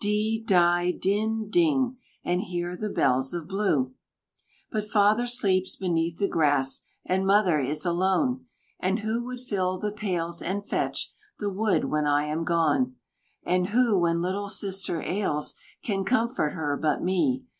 D! DI! DIN! DING! And hear the bells of blue. "But Father sleeps beneath the grass, And Mother is alone: And who would fill the pails, and fetch The wood when I am gone? And who, when little Sister ails, Can comfort her, but me?